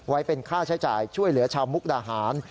ไว้เป็นค่าใช้จ่ายช่วยเหลือชาวมุกดาหาร